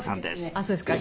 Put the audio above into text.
あっそうですか。